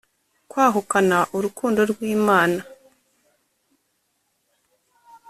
kwahukana Urukundo rw Imana